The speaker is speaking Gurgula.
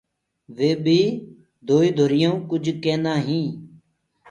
وي بي دوئيٚ ڌُريانٚوٚ ڪُج ڪيندآ هينٚ۔